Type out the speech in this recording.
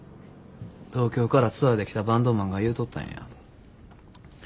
東京からツアーで来たバンドマンが言うとったんや。